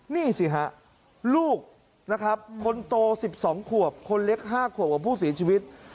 นี่สิฮะลูกนะครับคนโต๑๒ขวบคนเล็ก๕ขวบกับผู้เสียชีวิต